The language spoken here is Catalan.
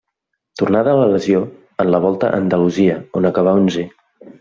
Tornà de la lesió en la Volta a Andalusia, on acabà onzè.